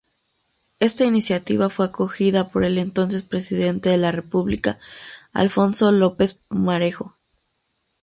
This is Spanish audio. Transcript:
Esta iniciativa fue acogida por el entonces presidente de la República, Alfonso López Pumarejo.